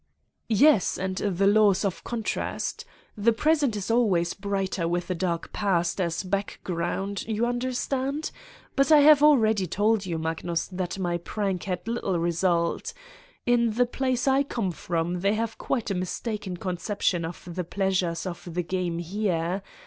"Yes, and the laws of contrast. The present is always brighter with a dark past as a background ... you understand? But I have already told you, Magnus, that my prank had little result. In the place I come from they have quite a mistaken conception of the pleasures of the game here.